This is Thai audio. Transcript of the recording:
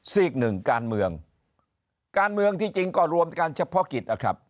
ซีกหนึ่งการเมืองการเมืองที่จริงก็รวมการเฉพาะกิจนะครับ